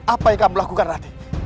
apa yang kamu lakukan rati